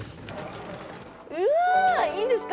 うわっいいんですか？